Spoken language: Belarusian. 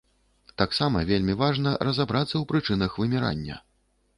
Таксама вельмі важна разабрацца ў прычынах вымірання.